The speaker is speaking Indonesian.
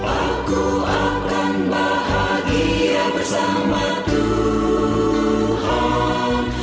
aku akan bahagia bersamaku tuhan